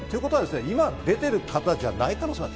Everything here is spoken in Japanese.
今、出てる方じゃないかもしれない。